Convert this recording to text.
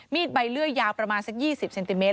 ใบเลื่อยยาวประมาณสัก๒๐เซนติเมต